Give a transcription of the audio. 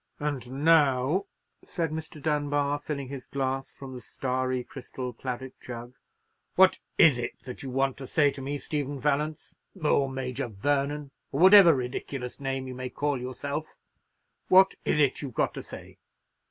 "And now," said Mr. Dunbar, filling his glass from the starry crystal claret jug, "what is it that you want to say to me, Stephen Vallance, or Major Vernon, or whatever ridiculous name you may call yourself—what is it you've got to say?"